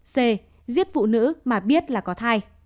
c giết phụ nữ mà biết là có thai